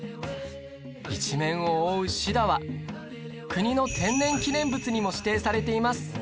一面を覆うシダは国の天然記念物にも指定されています